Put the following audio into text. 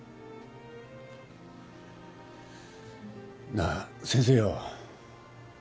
なあ先生よ。